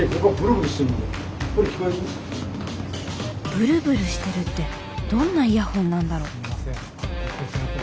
ブルブルしてるってどんなイヤホンなんだろう？